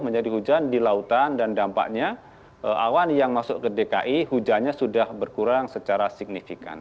menjadi hujan di lautan dan dampaknya awan yang masuk ke dki hujannya sudah berkurang secara signifikan